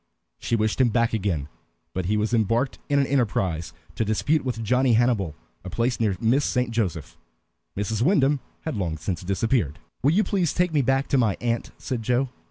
She wished him back again, but he was embarked in an enterprise to dispute with Johnny Hannibal a place near Miss St. Joseph. Mrs. Wyndham had long since disappeared. "Will you please take me back to my aunt?" said Joe.